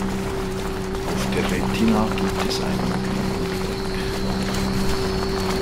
Auf der Retina gibt es einen blinden Fleck.